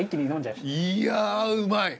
いやうまい！